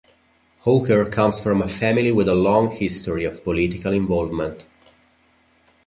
Hawker comes from a family with a long history of political involvement.